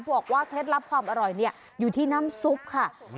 บอกว่าเคล็ดลับความอร่อยอยู่ที่น้ำซุปค่ะ